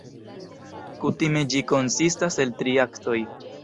Kutime ĝi konsistas el tri aktoj.